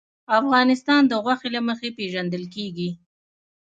افغانستان د غوښې له مخې پېژندل کېږي.